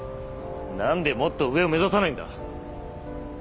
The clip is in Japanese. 何でもっと上を目指さないんだ！？